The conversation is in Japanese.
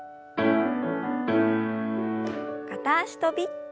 片脚跳び。